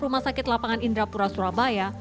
rumah sakit lapangan indrapura surabaya